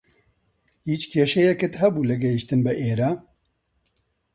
هیچ کێشەیەکت هەبوو لە گەیشتن بە ئێرە؟